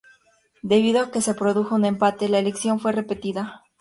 Debido a que se produjo un empate, la elección fue repetida.